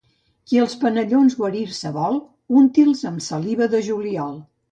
Qui els penellons guarir-se vol, unti'ls amb saliva de juliol.